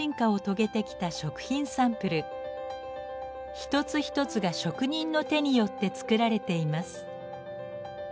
一つ一つが職人の手によって作られています。